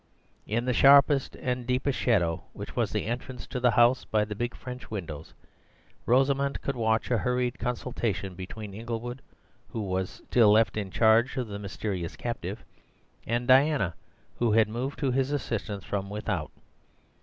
In the sharpest and deepest shadow, which was the entrance to the house by the big French windows, Rosamund could watch a hurried consultation between Inglewood (who was still left in charge of the mysterious captive) and Diana, who had moved to his assistance from without.